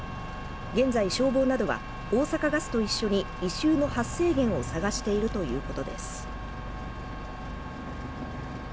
現在消防などは大阪ガスと一緒に異臭の発生源を探しているということです。